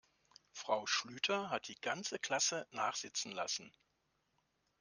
Frau Schlüter hat die ganze Klasse nachsitzen lassen.